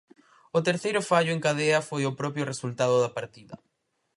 O terceiro fallo en cadea foi o propio resultado da partida.